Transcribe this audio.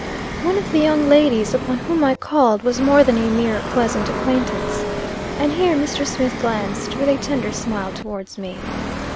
"One of the young ladies upon whom I called was more than a mere pleasant acquaintance. (And here Mr. Smith glanced, with a tender smile, towards me.)